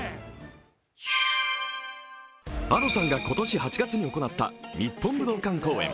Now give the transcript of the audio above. Ａｄｏさんが今年８月に行った日本武道館公演。